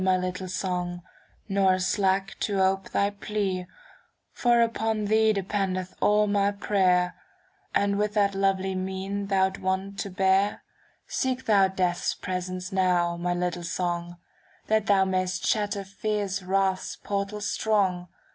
My little song, nor slack to ope thy plea, For upon thee dependeth all my prayer, * And, with that lowly mien thou'rt wont to bear, 64 CANZONIERE Seek thou Death's presence now, my little song, That thou may'st shatter fierce wrath's portals strong.